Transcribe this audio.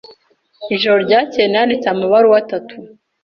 Ijoro ryakeye nanditse amabaruwa atatu.